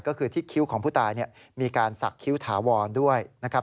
ก็คือที่คิ้วของผู้ตายมีการสักคิ้วถาวรด้วยนะครับ